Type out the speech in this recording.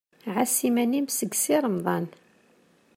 Ɛass iman-im seg Si Remḍan.